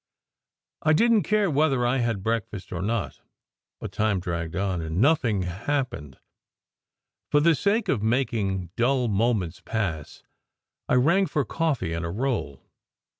I didn t care whether I had breakfast or not; but time dragged on, and no thing hap pened. For the sake of making dull moments pass, I rang SECRET HISTORY 125 for coffee and a roll.